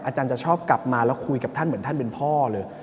อาจารย์จะชอบกลับมาแล้วคุยกับท่านเหมือนท่านเป็นพ่อเลย